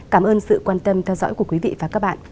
cảm ơn sự quan tâm theo dõi của quý vị và các bạn